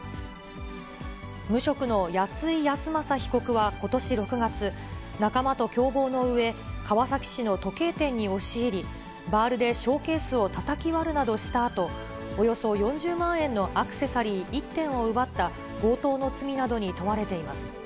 無職の谷井泰雅被告はことし６月、仲間と共謀のうえ、川崎市の時計店に押し入り、バールでショーケースをたたき割るなどしたあと、およそ４０万円のアクセサリー１点を奪った強盗の罪などに問われています。